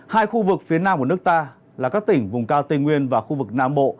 hai khu vực phía nam của nước ta là các tỉnh vùng cao tây nguyên và khu vực nam bộ